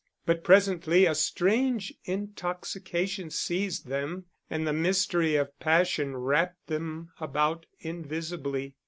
But presently a strange intoxication seized them, and the mystery of passion wrapped them about invisibly.